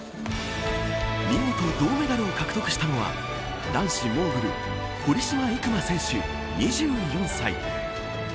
見事、銅メダルを獲得したのは男子モーグル堀島行真選手、２４歳。